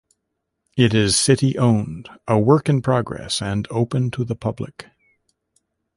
It is city-owned, a work in progress, and open to the public.